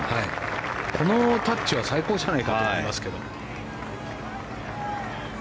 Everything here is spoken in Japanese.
このタッチは最高じゃないかと思いますけど。